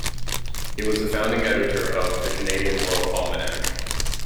He was the founding editor of the "Canadian World Almanac".